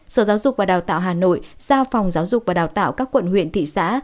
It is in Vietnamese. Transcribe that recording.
sở giáo dục và đào tạo hà nội giao phòng giáo dục và đào tạo các quận huyện thị xã